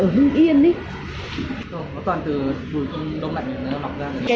nó toàn từ đùi con đông lạnh mà nó nọc ra rồi